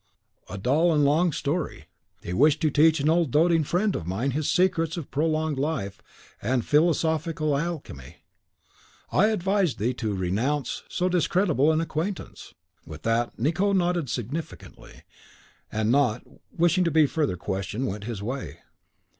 "A dull and long story: he wished to teach an old doting friend of mine his secrets of prolonged life and philosophical alchemy. I advise thee to renounce so discreditable an acquaintance." With that Nicot nodded significantly, and, not wishing to be further questioned, went his way.